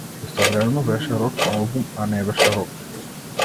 Истовремено беше рок-албум, а не беше рок.